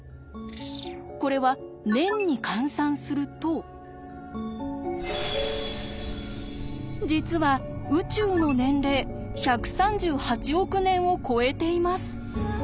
これは実は宇宙の年齢１３８億年を超えています。